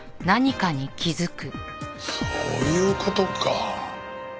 そういう事か。